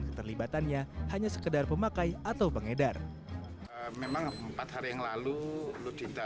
keterlibatannya hanya sekedar pemakai atau pengedar memang empat hari yang lalu lucinta